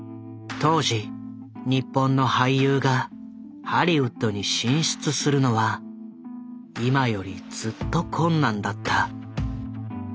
当時日本の俳優がハリウッドに進出するのは今よりずっと困難だった。